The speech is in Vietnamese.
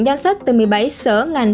dan sách từ một mươi bảy sở ngành